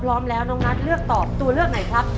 พร้อมแล้วน้องนัทเลือกตอบตัวเลือกไหนครับ